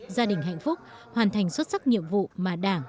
gia đình hạnh phúc hoàn thành xuất sắc nhiệm vụ mà đảng